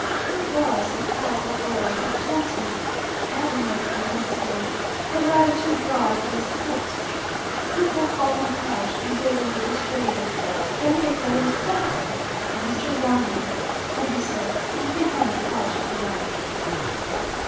He was a powerful boy of twenty, admirably muscular, but rather too broad for his height. People called him "Podge" until they were dissuaded. Then they called him "Stephen" or "Mr. Wonham." Then he said, "You can call me Podge if you like."